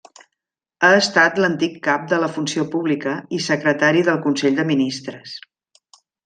Ha estat l'antic cap de la Funció Pública i secretari del Consell de Ministres.